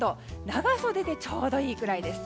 長袖でちょうどいいくらいです。